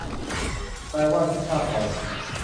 นายว่าขี้ข้าพลอย